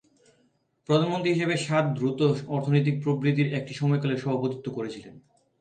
প্রধানমন্ত্রী হিসাবে, সাত দ্রুত অর্থনৈতিক প্রবৃদ্ধির একটি সময়কালের সভাপতিত্ব করেছিলেন।